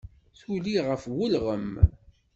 Tuli ɣef ulɣem.